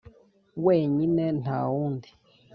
wenyine nta wundi